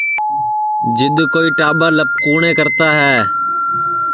جِد کوئی ٽاٻرَ لپکُﯡنیں کرتا ہے